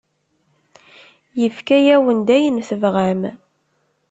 Yefka-awen-d ayen tebɣam.